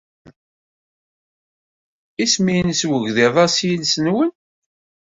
Isem-nnes wegḍiḍ-a s yiles-nwen?